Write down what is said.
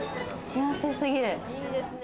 幸せすぎる！